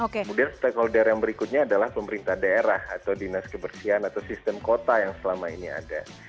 kemudian stakeholder yang berikutnya adalah pemerintah daerah atau dinas kebersihan atau sistem kota yang selama ini ada